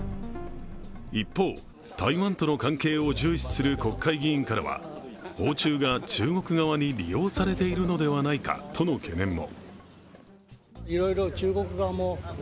一方、台湾との関係を重視する国会議員からは、訪中が中国側に利用されているのではないかとの懸念も。